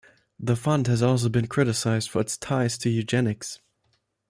The fund has also been criticized for its ties to eugenics.